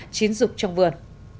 chín rục trong vườn